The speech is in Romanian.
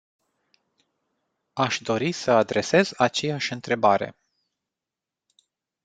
Aș dori să adresez aceeași întrebare.